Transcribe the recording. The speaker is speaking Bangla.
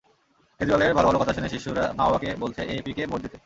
কেজরিওয়ালের ভালো ভালো কথা শুনে শিশুরা মা-বাবাকে বলছে এএপিকে ভোট দিতে।